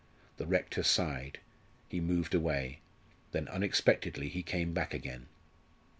The rector sighed. He moved away. Then unexpectedly he came back again.